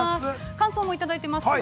◆感想もいただいてますよ。